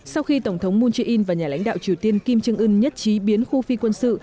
sau khi tổng thống moon jae in và nhà lãnh đạo triều tiên kim trương ưn nhất trí biến khu phi quân sự